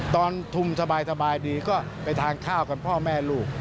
ตอนทุ่มสบายดีก็ไปทานข้าวกันพ่อแม่ลูก